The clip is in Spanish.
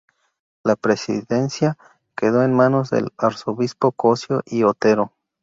La presidencia quedó en manos del arzobispo Cossío y Otero.